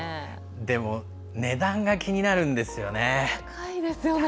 でも、値段が気になるんですよね。